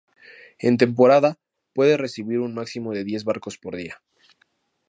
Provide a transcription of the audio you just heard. En temporada, puede recibir un máximo de diez barcos por día.